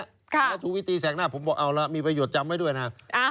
แล้วชูวิตตีแสกหน้าผมบอกเอาละมีประโยชนจำไว้ด้วยนะ